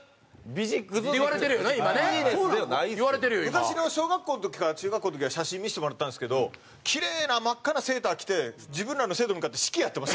昔の小学校の時か中学校の時の写真見せてもらったんですけどきれいな真っ赤なセーター着て自分らの生徒に向かって指揮やってました。